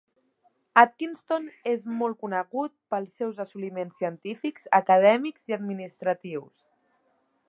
Atkinson és molt conegut per als seus assoliments científics, acadèmics i administratius.